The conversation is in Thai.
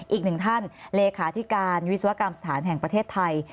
อีกหนึ่งท่านเลขาธิการวิศวกรรมสถานแห่งประเทศไทย